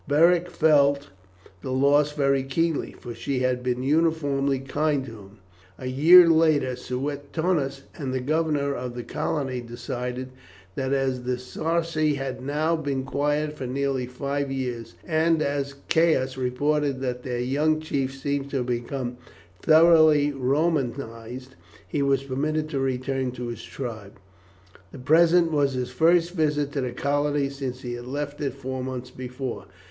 Beric felt the loss very keenly, for she had been uniformly kind to him. A year later Suetonius and the governor of the colony decided that as the Sarci had now been quiet for nearly five years, and as Caius reported that their young chief seemed to have become thoroughly Romanized, he was permitted to return to his tribe. The present was his first visit to the colony since he had left it four months before.